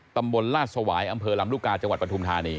ตำบลลาศวายอำเภอลำรุกาจปทูมธานี